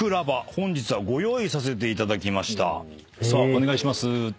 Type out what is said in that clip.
お願いします。